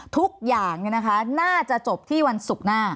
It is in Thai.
ทุกอย่างน่าจะจบที่วันศุกร์หน้า